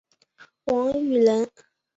王羽人。